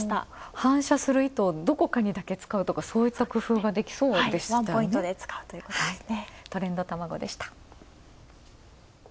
反射する糸、どこかにのみ使うとか、そういった工夫ができそうでしたね。